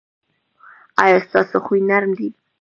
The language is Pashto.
ایا ستاسو خوی نرم دی؟